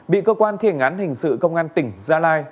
bị cơ quan thiển án hình sự công an tỉnh gia lai